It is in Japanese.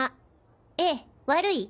ええ悪い？